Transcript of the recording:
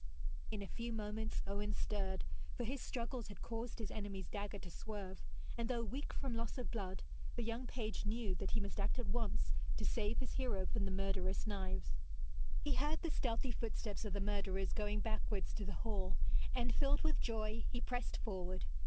In a few moments Owen stirred, for his struggles had caused his enemy's dagger to swerve, and though weak from loss of blood, the young page knew that he must act at once to save his hero from the murderous knives. He heard the stealthy footsteps of the murderers going backwards to the hall, and, filled with joy, he pressed forward.